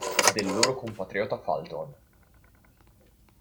Del loro compatriota Fulton.